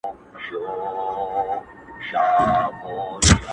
نو زه یې څنگه د مذهب تر گرېوان و نه نیسم ـ